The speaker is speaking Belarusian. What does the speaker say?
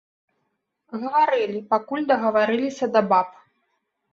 Гаварылі, пакуль дагаварыліся да баб.